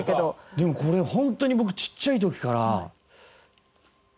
でもこれ本当に僕ちっちゃい時から。